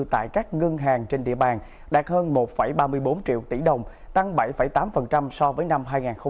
tại các ngân hàng trên địa bàn đạt hơn một ba mươi bốn triệu tỷ đồng tăng bảy tám so với năm hai nghìn một mươi bảy